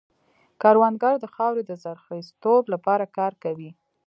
کروندګر د خاورې د زرخېزتوب لپاره کار کوي